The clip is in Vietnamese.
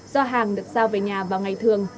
do hàng được giao về nhà vào ngày thường